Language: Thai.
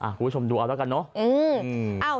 คุณผู้ชมดูเอาแล้วกันเนอะ